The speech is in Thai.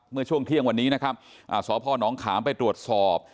เมื่อช่วงเที่ยงวันนี้นะครับสพนขามไปตรวจสอบ